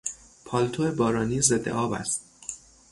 پالتو بارانی ضد آب است.